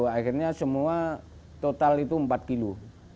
akhirnya semua total itu empat kilo